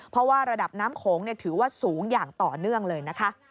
เพราะว่าระดับน้ำโขงถือว่าสูงอย่างต่อเนื่องเลยนะคะ